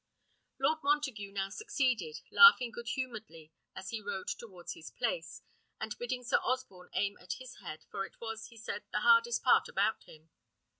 Lord Montague now succeeded, laughing good humouredly as he rode towards his place, and bidding Sir Osborne aim at his head, for it was, he said, the hardest part about him.